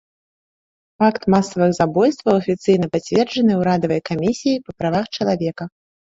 Факт масавых забойстваў афіцыйна пацверджаны ўрадавай камісіяй па правах чалавека.